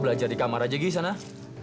pingin banget sekolah